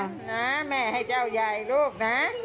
นะแม่ให้เจ้าใหญ่ลูกนะ